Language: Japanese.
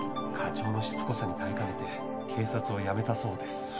課長のしつこさに耐えかねて警察を辞めたそうです。